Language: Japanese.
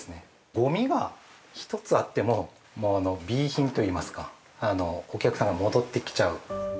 ごみが１つあってももうＢ品といいますかお客様、戻ってきちゃう。